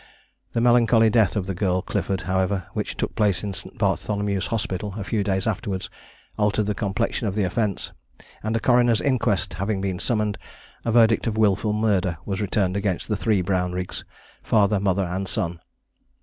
The melancholy death of the girl Clifford, however, which took place in St. Bartholomew's Hospital a few days afterwards, altered the complexion of the offence; and a Coroner's Inquest having been summoned, a verdict of wilful murder was returned against the three Brownriggs, father, mother, and son.